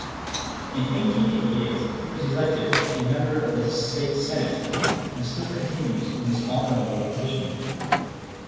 In 1888 he was elected a member of the State Senate, and still continues in this honorable position.